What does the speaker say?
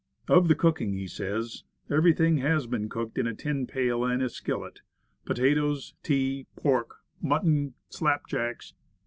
Of the cooking he says: "Everything has been cooked in a tin pail and a skillet potatoes, tea, pork, mutton, slapjacks.